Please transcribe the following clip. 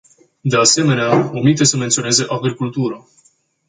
De asemenea, omite să menționeze agricultura.